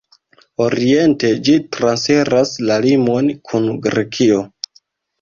Oriente ĝi transiras la limon kun Grekio.